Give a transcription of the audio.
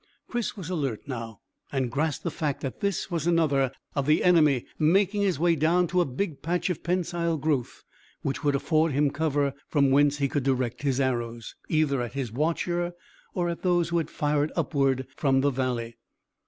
Chris was alert now, and grasped the fact that this was another of the enemy making his way down to a big patch of pensile growth which would afford him cover, from whence he could direct his arrows either at his watcher or at those who had fired upward from the valley.